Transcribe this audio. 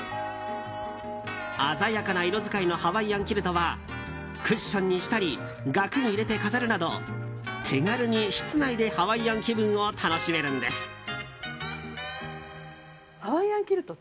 鮮やかな色遣いのハワイアンキルトはクッションにしたり額に入れて飾るなど手軽に室内でハワイアン気分を楽しめるんです。